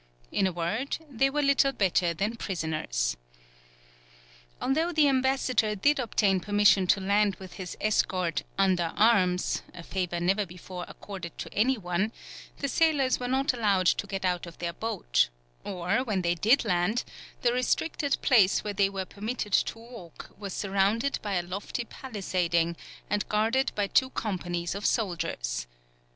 In a word, they were little better than prisoners. Although the ambassador did obtain permission to land with his escort "under arms," a favour never before accorded to any one, the sailors were not allowed to get out of their boat, or when they did land the restricted place where they were permitted to walk was surrounded by a lofty palisading, and guarded by two companies of soldiers.